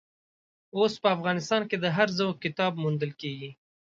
اوس په افغانستان کې د هر ذوق کتاب موندل کېږي.